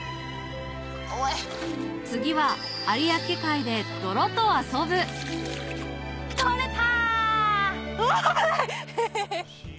次は有明海で泥と遊ぶ取れた！